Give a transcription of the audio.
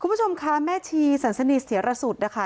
คุณผู้ชมค่ะแม่ชีสันสนิทเสียรสุทธินะคะ